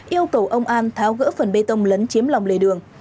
yêu cầu ông an tháo gỡ phần bê tông lấn chiếm lòng lề đường